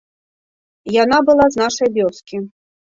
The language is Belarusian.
Яна была з нашай вёскі.